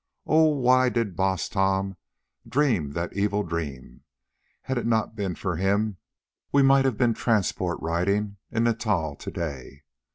Oh! why did Baas Tom dream that evil dream? Had it not been for him, we might have been transport riding in Natal to day.